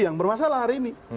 yang bermasalah hari ini